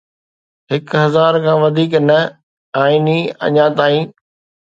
هڪ هزار کان وڌيڪ نه، آئيني اڃا تائين